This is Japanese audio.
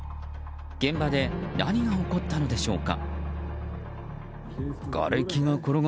現場で何が起こったのでしょうか。